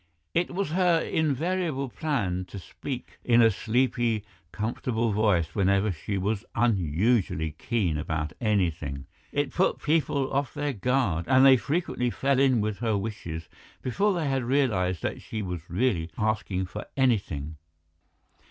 It was her invariable plan to speak in a sleepy, comfortable voice whenever she was unusually keen about anything; it put people off their guard, and they frequently fell in with her wishes before they had realized that she was really asking for anything.